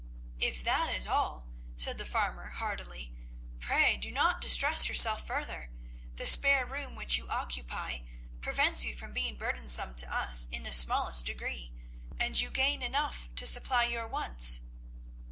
"If that is all," said the farmer heartily, "pray do not distress yourself further. The spare room which you occupy prevents you from being burdensome to us in the smallest degree, and you gain enough to supply your wants."